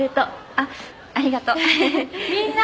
あっありがとう。みんな。